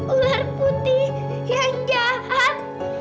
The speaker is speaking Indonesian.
ular putih yang jahat